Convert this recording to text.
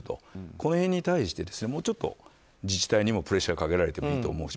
この辺に対して、自治体にもプレッシャーをかけられてもいいと思うし。